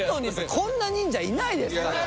こんな忍者いないですよ。